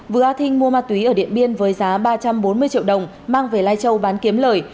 vừa a thinh mua ma túy ở điện biên với giá ba trăm bốn mươi triệu đồng mang về lai châu bán kiếm lời